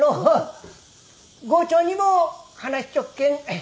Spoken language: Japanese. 郷長にも話しちょっけん。